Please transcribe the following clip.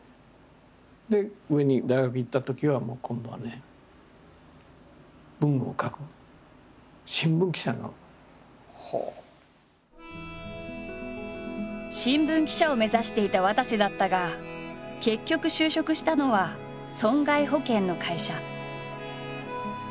で大学行ったときはもう今度はね文を書く新聞記者を目指していたわたせだったが結局就職したのは損害保険の会社。